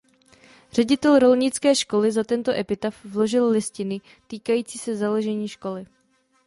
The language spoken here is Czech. Ředitel rolnické školy za tento epitaf vložil listiny týkající se založení školy.